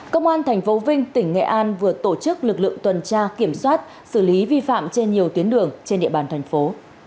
công an tp vinh tỉnh nghệ an vừa tổ chức lực lượng tuần tra kiểm soát xử lý vi phạm trên nhiều tuyến đường trên địa bàn thành phố